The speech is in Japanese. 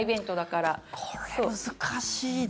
これ、難しいな。